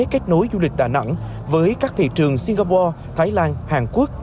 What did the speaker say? kết nối du lịch đà nẵng với các thị trường singapore thái lan hàn quốc